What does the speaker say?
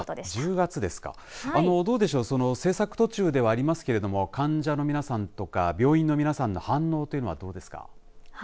１０月ですか、どうでしょう製作途中でありますけれども患者の皆さんとか病院の皆さんの反応というのはどうですか。